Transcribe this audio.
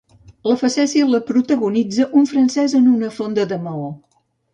La facècia la protagonitza un francès en una fonda de Maó.